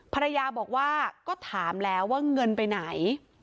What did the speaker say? ภรรยาบอกว่าก็ถามแล้วว่าเงินไปไหน